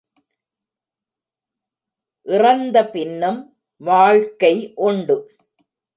இறந்த பின்னும் வாழ்க்கை உண்டு...